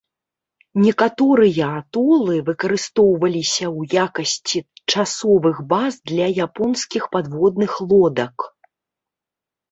Некаторыя атолы выкарыстоўваліся ў якасці часовых баз для японскіх падводных лодак.